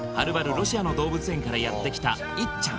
ロシアの動物園からやってきたイッちゃん